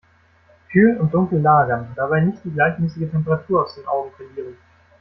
Kühl und dunkel lagern, dabei nicht die gleichmäßige Temperatur aus den Augen verlieren.